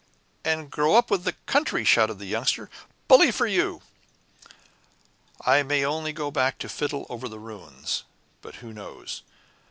"And grow up with the country," shouted the Youngster. "Bully for you." "I may only go back to fiddle over the ruins. But who knows?